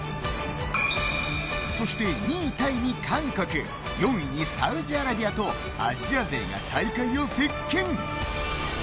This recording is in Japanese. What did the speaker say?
そして、２位タイに韓国４位にサウジアラビアとアジア勢が大会を席巻。